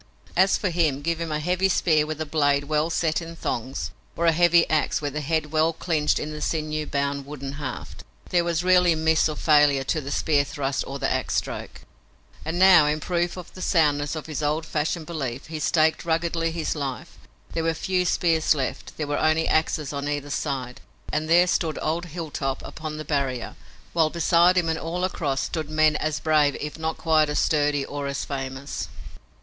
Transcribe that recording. As for him, give him a heavy spear, with the blade well set in thongs, or a heavy ax, with the head well clinched in the sinew bound wooden haft. There was rarely miss or failure to the spear thrust or the ax stroke. And now, in proof of the soundness of his old fashioned belief, he staked ruggedly his life. There were few spears left. There were only axes on either side. And there stood old Hilltop upon the barrier, while beside him and all across stood men as brave if not quite as sturdy or as famous.